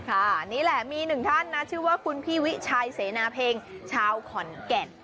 นี่แหละมีหนึ่งท่านนะชื่อว่าคุณพี่วิชัยเสนาเพ็งชาวขอนแก่น